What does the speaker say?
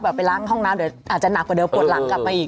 ไปล้างห้องน้ำเดี๋ยวอาจจะหนักกว่าเดิมปวดหลังกลับไปอีก